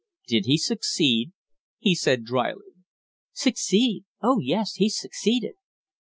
"Did he succeed?" he said, dryly. "Succeed? Oh yes, he succeeded."